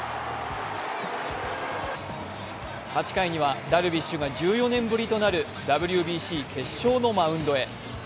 ８回にはダルビッシュが１４年ぶりとなるＷＢＣ決勝のマウンドへ。